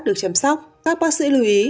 được chăm sóc các bác sĩ lưu ý